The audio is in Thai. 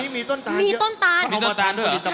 มีต้นตานเยอะเข้ามาทำผลิตภัณฑ์อย่างนี้เหรอ